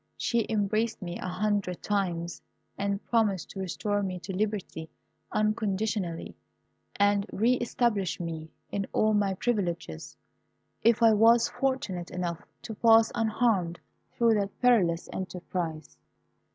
She embraced me a hundred times, and promised to restore me to liberty unconditionally, and re establish me in all my privileges, if I was fortunate enough to pass unharmed through that perilous enterprise.